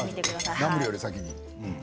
ナムルより先に。